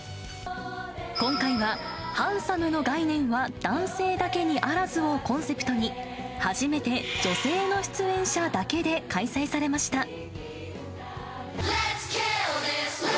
今回は、ハンサムの概念は男性だけにあらずをコンセプトに、初めて女性の出演者だけで開催されました。